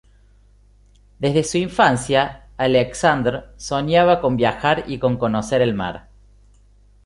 Desde su infancia Aleksandr soñaba con viajar y con conocer el mar.